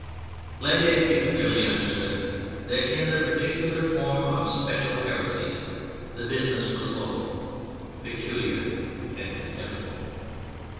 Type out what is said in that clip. Let it be clearly understood that in the particular form of special heresies the business was local, peculiar and contemptible.